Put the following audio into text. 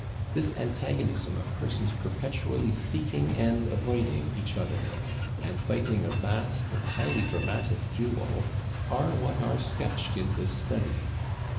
This antagonism of persons perpetually seeking and avoiding each other, and fighting a vast and highly dramatic duel, are what are sketched in this Study.